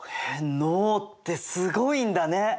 脳ってすごいんだね。